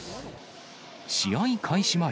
試合開始